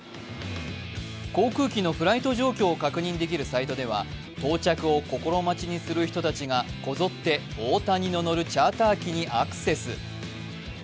航空機のフライト状況を確認できるサイトでは到着を心待ちにする人たちがこぞって大谷の乗るチャーター機にアクセス。